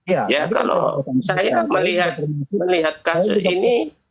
ya kalau saya melihat kasus ini